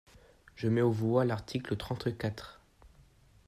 Je mets aux voix l’article trente-quatre.